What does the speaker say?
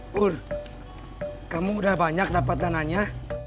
bur kamu udah banyak dapat dananya